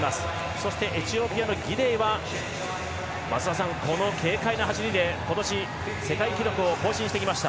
そしてエチオピアのギデイは増田さん、この軽快な走りで今年、世界記録を更新してきました。